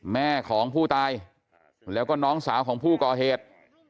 แม่ของผู้ตายแล้วก็น้องสาวของผู้ก่อเหตุ